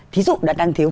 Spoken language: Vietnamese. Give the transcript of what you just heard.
thí dụ đã đăng thiếu